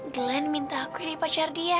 glenn minta aku di pacar dia